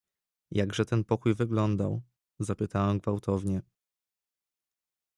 "„Jakże ten pokój wyglądał“ zapytałem gwałtownie."